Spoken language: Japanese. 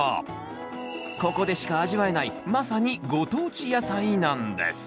ここでしか味わえないまさにご当地野菜なんです